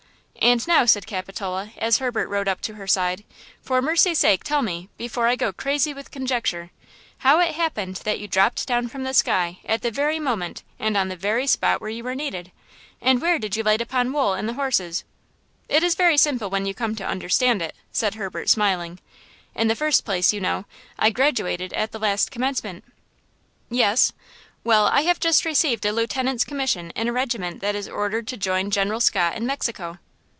"And now," said Capitola, as Herbert rode up to her side, "for mercy sake tell me, before I go crazy with conjecture, how it happened that you dropped down from the sky at the very moment and on the very spot where you were needed? and where did you light upon Wool and the horses?" "It is very simple when you come to understand it," said Herbert, smiling. "In the first place, you know, I graduated at the last commencement." "Yes." "Well, I have just received a lieutenant's commission in a regiment that is ordered to join General Scott in Mexico."